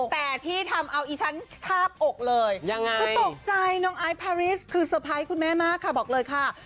แต่ที่ทำเอาอีฉันคาบอกเลยยังไงคือตกใจน้องไอซ์พาริสคือเตอร์ไพรส์คุณแม่มากค่ะบอกเลยค่ะ